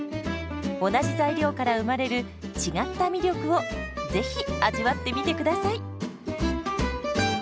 同じ材料から生まれる違った魅力をぜひ味わってみてください。